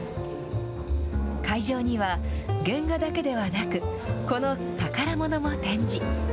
会場には、原画だけではなく、この宝物も展示。